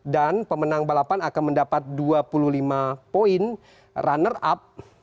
dan pemenang balapan akan mendapatkan dua puluh lima poin runner up